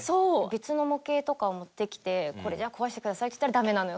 別の模型とかを持ってきてこれじゃあ壊してくださいっていったらダメなのよ。